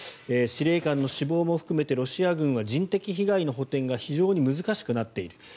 司令官の死亡も含めてロシア軍は人的被害の補てんが非常に難しくなっている。